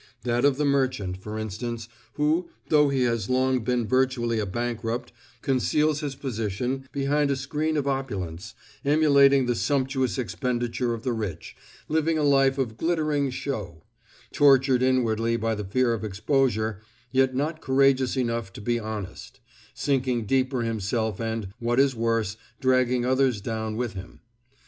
That of the merchant, for instance, who, though he has long been virtually a bankrupt, conceals his position behind a screen of opulence, emulating the sumptuous expenditure of the rich, living a life of glittering show; tortured inwardly by the fear of exposure, yet not courageous enough to be honest; sinking deeper himself and, what is worse, dragging others down with him.